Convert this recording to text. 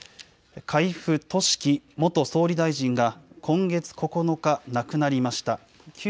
海部俊樹元総理大臣が今月９日、亡くなりました。